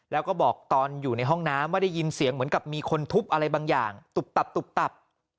แล้วก็บอกตอนอยู่ในห้องน้ำว่าได้ยินเสียงเหมือนกับมีคนทุบอะไรบางอย่างตุบตับตุบตับ